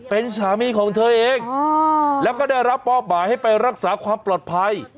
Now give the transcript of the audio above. เป็นสามีของเธอเองแล้วก็ได้รับมอบหมายให้ไปรักษาความปลอดภัย